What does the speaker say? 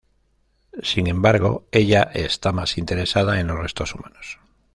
Sin embargo, ella está más interesada en los restos humanos.